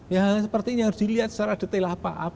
ya sepertinya harus dilihat secara detail apa